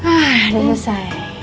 ah udah selesai